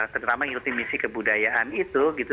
terutama mengikuti misi kebudayaan itu gitu